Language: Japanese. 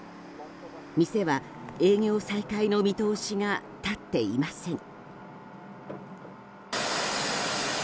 店は営業再開の見通しが立っていません。